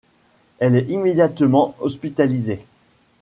Elle est immédiatement hospitalisée.